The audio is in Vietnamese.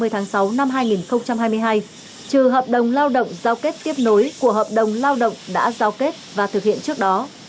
trừ hợp đồng lao động giao kết tiếp nối của hợp đồng lao động đã giao kết và thực hiện trước đó